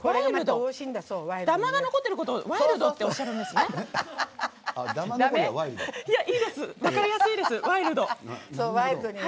だまが残ってることワイルドっておっしゃるんですね。